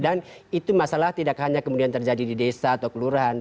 dan itu masalah tidak hanya kemudian terjadi di desa atau kelurahan